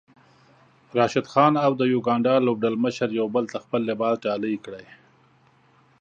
راشد خان او د يوګاندا لوبډلمشر يو بل ته خپل لباس ډالۍ کړی